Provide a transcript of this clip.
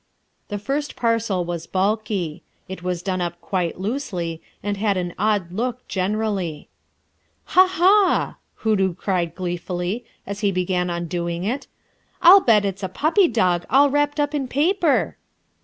The first parcel was bulky; it was done up quite loosely and had an odd look generally. "Ha! ha!" Hoodoo cried gleefully, as he began undoing it. "I'll bet it's the puppy dog, all wrapped up in paper!"